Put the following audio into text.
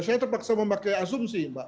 saya terpaksa memakai asumsi mbak